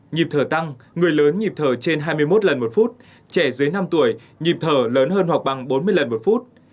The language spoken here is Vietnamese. nhịp thở tăng người lớn nhịp thở trên hai mươi một lần một phút trẻ dưới năm tuổi nhịp thở lớn hơn hoặc bằng bốn mươi lần một phút